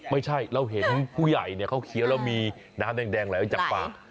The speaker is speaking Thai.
ไม่ใช่เราเห็นผู้ใหญ่เขาเคี้ยวแล้วมีน้ำแดงไหลจากปาก